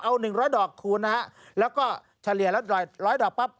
เอาหนึ่งร้อยดอกคูณนะฮะแล้วก็เฉลี่ยแล้วหน่อยร้อยดอกปั๊บ